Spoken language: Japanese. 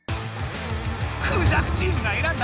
クジャクチームがえらんだ